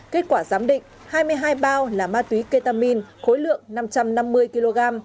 kết quả giám định hai mươi hai bao là ma túy ketamin khối lượng năm trăm năm mươi kg